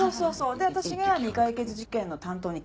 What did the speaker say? で私が未解決事件の担当に変わって。